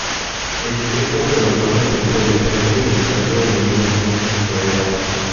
Эти три органа должны быть более оперативными и готовыми менять методы своей работы.